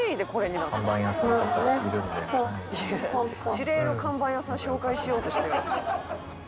「知り合いの看板屋さん紹介しようとしてる」